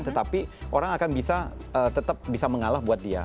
tetapi orang akan bisa tetap bisa mengalah buat dia